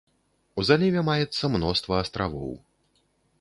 У заліве маецца мноства астравоў.